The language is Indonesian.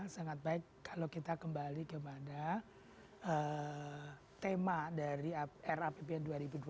sangat baik kalau kita kembali kepada tema dari rapbn dua ribu dua puluh